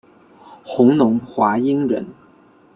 弘农华阴人。